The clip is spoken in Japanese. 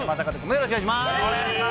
よろしくお願いします。